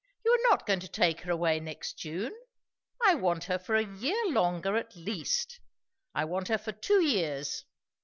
"You are not going to take her away next June? I want her for a year longer at least. I want her for two years.